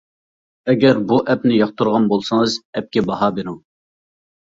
ئەگەر بۇ ئەپنى ياقتۇرغان بولسىڭىز ئەپكە باھا بېرىڭ.